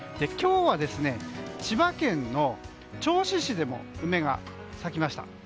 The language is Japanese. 今日は千葉県の銚子市でも梅が咲きました。